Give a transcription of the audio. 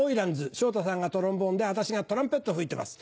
昇太さんがトロンボーンで私がトランペットを吹いてます。